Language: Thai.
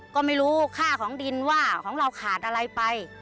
ก็ไม่รู้ค่าของดินว่าของเราขาดอะไรไป